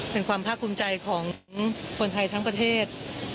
เป็นความภาคภูมิใจของคนไทยทั้งประเทศ